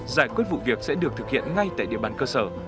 giải quyết vụ việc sẽ được thực hiện ngay tại địa bàn cơ sở